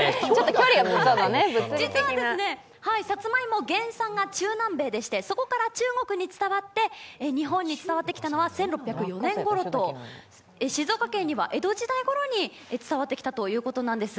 実は、さつまいも、原産は中南米でしてそこから中国に伝わって、日本に伝わってきたのは１６０４年ごろと、静岡県には江戸時代ごろに伝わってきたということなんです。